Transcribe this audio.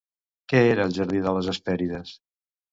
Què era el Jardí de les Hespèrides?